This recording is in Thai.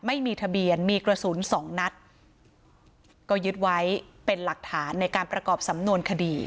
ไม่มีทะเบียนมีกระสุนสองนัดก็ยึดไว้เป็นหลักฐานในการประกอบสำนวนคดี